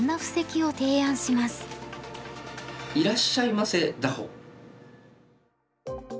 「いらっしゃいませ打法」？